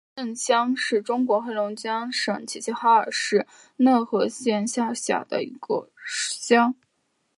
和盛乡是中国黑龙江省齐齐哈尔市讷河市下辖的一个乡。